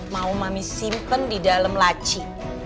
mau mami simpen di dalam laci